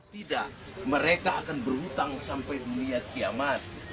tidak mereka akan berhutang sampai niat kiamat